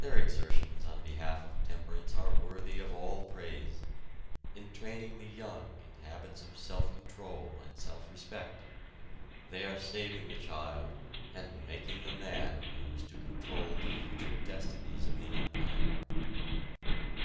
Their exertions on behalf of temperance are worthy of all praise; in training the young in habits of self control and self respect, they are saving the child and making the man who is to control the future destinies of the empire.